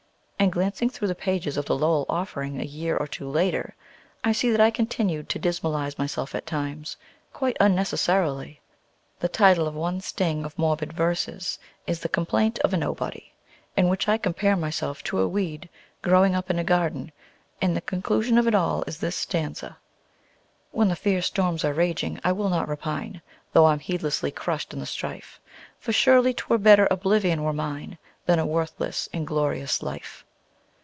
And glancing through the pages of the "Lowell Offering" a year or two later, I see that I continued to dismalize myself at times, quite unnecessarily. The title of one sting of morbid verses is "The Complaint of a Nobody," in which I compare myself to a weed growing up in a garden; and the conclusion of it all is this stanza: "When the fierce storms are raging, I will not repine, Though I'm heedlessly crushed in the strife; For surely 't were better oblivion were mine Than a worthless, inglorious life.